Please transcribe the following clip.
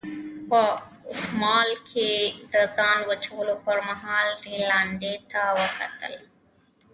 په اټوال مې د ځان وچولو پرمهال رینالډي ته وکتل.